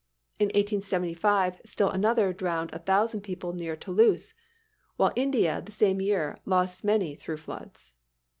In 1875, still another drowned a thousand people near Toulouse; while India, the same year lost many through floods.